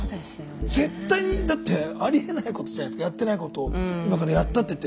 絶対にありえないことじゃないですかやってないことをやったって言って。